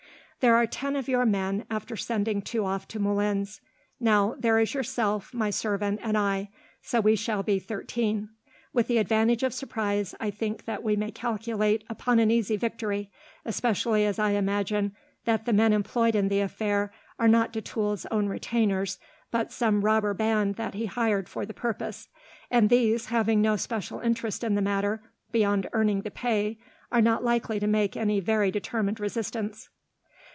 "There are ten of your men, after sending two off to Moulins. Now there is yourself, my servant, and I, so we shall be thirteen. With the advantage of surprise, I think that we may calculate upon an easy victory, especially as I imagine that the men employed in the affair are not de Tulle's own retainers, but some robber band that he hired for the purpose; and these, having no special interest in the matter beyond earning the pay, are not likely to make any very determined resistance."